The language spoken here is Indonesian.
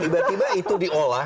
tiba tiba itu diolah